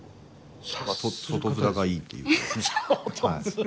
外面がいいっていうかね。